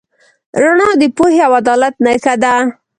رڼا د پوهې او عدالت نښه ده.